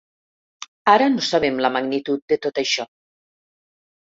Ara no sabem la magnitud de tot això.